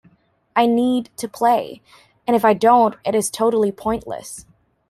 I need to play, and if I don't it is totally pointless.